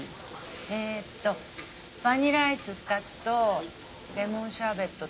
えっとバニラアイス２つとレモンシャーベットと。